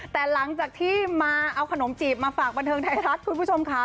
แต่หลังจากที่มาเอาขนมจีบมาฝากบันเทิงไทยรัฐคุณผู้ชมค่ะ